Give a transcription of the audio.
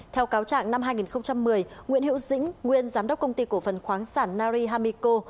theo cáo trạng năm hai nghìn một mươi nguyễn hữu dĩnh nguyên giám đốc công ty cổ phần khoáng sản nari hamiko